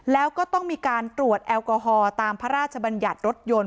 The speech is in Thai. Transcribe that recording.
แล้วก็ต้องมีการตรวจแอลกอฮอล์ตามพระราชบัญญัติรถยนต์